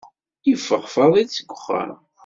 Yeffeɣ Fadil seg uxxam.